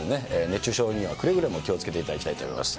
熱中症にはくれぐれも気をつけていただきたいと思います。